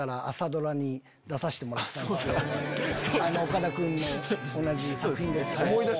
岡田君も同じ作品ですよね。